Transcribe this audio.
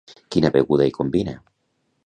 Quina beguda hi combina?